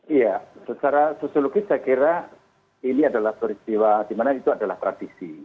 iya secara sosiologis saya kira ini adalah peristiwa di mana itu adalah tradisi